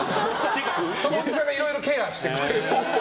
そのおじさんがいろいろケアしてくれて。